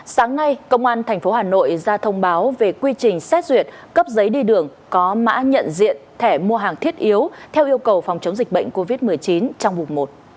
sáng nay công an tp hà nội ra thông báo về quy trình xét duyệt cấp giấy đi đường có mã nhận diện thẻ mua hàng thiết yếu theo yêu cầu phòng chống dịch bệnh covid một mươi chín trong mục một